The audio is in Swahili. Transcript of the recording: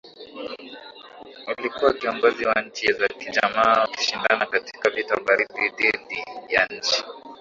ulikuwa kiongozi wa nchi za kijamaa ukishindana katika vita baridi dhidi ya nchi